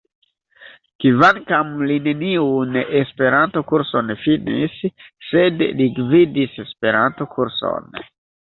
Kvankam li neniun E-kurson finis, sed li gvidis E-kurson.